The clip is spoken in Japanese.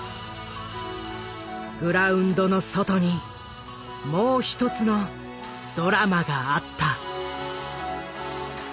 グラウンドの外にもう一つのドラマがあった。